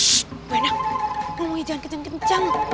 shhh bu endang ngomongnya jangan kenceng kenceng